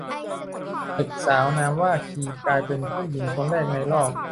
เด็กสาวนามว่า คี กลายเป็นผู้หญิงคนแรกในรอบ